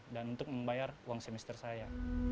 dan untuk membayar uang semester saya